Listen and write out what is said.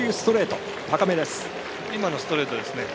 今のストレートですね。